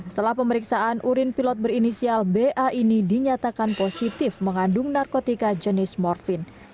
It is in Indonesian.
setelah pemeriksaan urin pilot berinisial ba ini dinyatakan positif mengandung narkotika jenis morfin